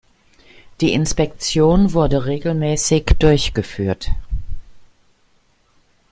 Die Inspektion wurde regelmäßig durchgeführt.